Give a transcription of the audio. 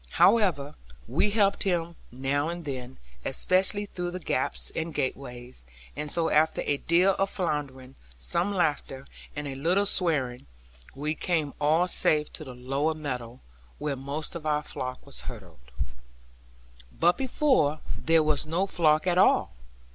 However, we helped him now and then, especially through the gaps and gateways; and so after a deal of floundering, some laughter, and a little swearing, we came all safe to the lower meadow, where most of our flock was hurdled. But behold, there was no flock at all!